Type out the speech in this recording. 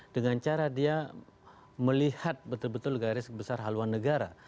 dengan cara dia melihat betul betul garis besar haluan negara